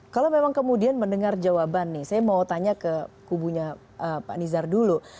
kalau memang kemudian mendengar jawaban nih saya mau tanya ke kubunya pak nizar dulu